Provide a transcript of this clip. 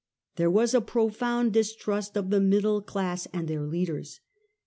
There was a profound distrust of the middle class and their leaders.